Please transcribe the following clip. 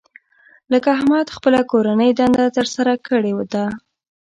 لکه احمد خپله کورنۍ دنده تر سره کړې ده.